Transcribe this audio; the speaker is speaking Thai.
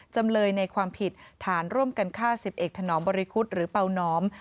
จำเลยในความผิดฐานร่วมกันฆ่า๑๐เอกถนอมบริคุฎหรือเป่าน้อม